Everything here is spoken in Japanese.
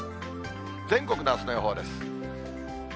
全国のあすの予報です。